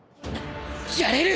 やれる！